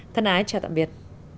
thân ái chào tạm biệt